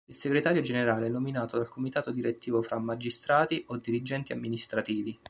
Il Segretario generale è nominato dal Comitato direttivo fra magistrati o dirigenti amministrativi.